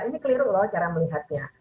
ini keliru loh cara melihatnya